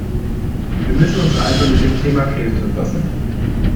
Wir müssen uns also mit dem Thema Krebs befassen.